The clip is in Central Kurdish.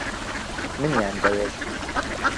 منیان دەوێت.